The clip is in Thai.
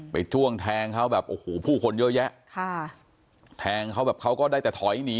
จ้วงแทงเขาแบบโอ้โหผู้คนเยอะแยะค่ะแทงเขาแบบเขาก็ได้แต่ถอยหนี